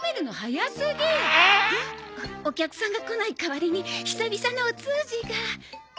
お客さんが来ない代わりに久々のお通じが。